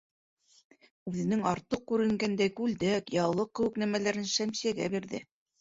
Үҙенең артыҡ күренгәндәй күлдәк, яулыҡ кеүек нәмәләрен Шәмсиәгә бирҙе: